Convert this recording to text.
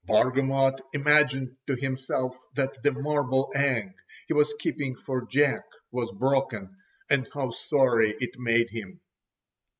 Bargamot imagined to himself that the marble egg he was keeping for Jack was broken, and how sorry it made him.